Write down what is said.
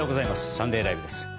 「サンデーＬＩＶＥ！！」です。